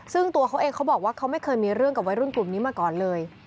ซึ่งตัวเขาเองเขาบอกว่าเขาไม่เคยมีเรื่องกับวัยรุ่นกลุ่มนี้มาก่อนเลย